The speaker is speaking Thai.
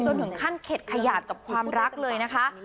ถึงขั้นเข็ดขยาดกับความรักเลยนะคะ